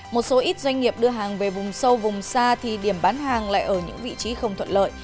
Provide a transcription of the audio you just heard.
một số ít doanh nghiệp đưa hàng về vùng sâu vùng xa thì điểm bán hàng lại ở những vị trí không thuận lợi